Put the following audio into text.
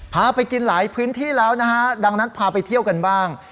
พาไปกินหลายพื้นที่แล้วนะฮะดังนั้นพาไปเที่ยวกันบ้าง